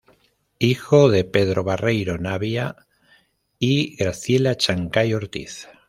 Hijo de Pedro Barreiro Navia y Graciela Chancay Ortiz.